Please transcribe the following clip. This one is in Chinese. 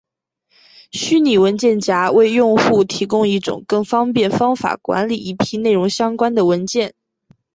虚拟文件夹为用户提供一种更方便方法管理一批内容相关的文件。